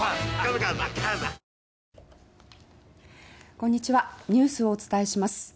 こんにちはニュースをお伝えします。